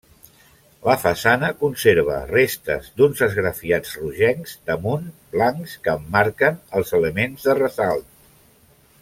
La façana conserva restes d'uns esgrafiats rogencs damunt blancs que emmarquen els elements de ressalt.